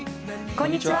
こんにちは。